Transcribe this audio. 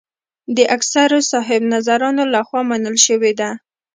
د اکثرو صاحب نظرانو له خوا منل شوې ده.